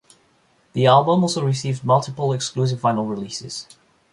The album also received multiple exclusive vinyl releases.